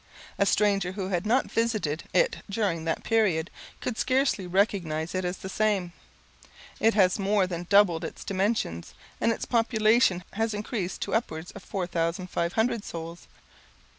A stranger, who had not visited it during that period, could scarcely recognize it as the same. It has more than doubled its dimensions, and its population has increased to upwards of 4,500 souls.